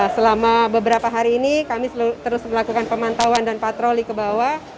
selama beberapa hari ini kami terus melakukan pemantauan dan patroli ke bawah